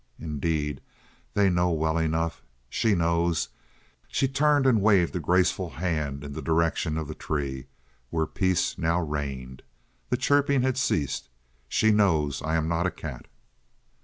"Indeed, they know well enough. She knows." She turned and waved a graceful hand in the direction of the tree, where peace now reigned. The chirping had ceased. "She knows I am not a cat."